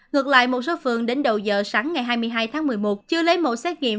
ngược lại một số phường đến đầu giờ sáng ngày hai mươi hai tháng một mươi một chưa lấy mẫu xét nghiệm